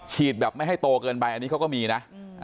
แบบไม่ให้โตเกินไปอันนี้เขาก็มีนะ